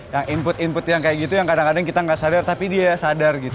yang input input yang kayak gitu yang kadang kadang kita gak sadar tapi dia sadar gitu